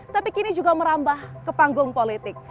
tapi kini juga merambah ke panggung politik